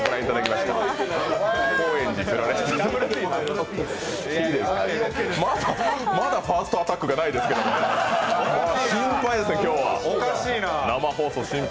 まだファーストアタックがないですけど心配ですね、今日は。